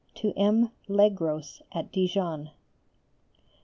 _To M. Legros at Dijon.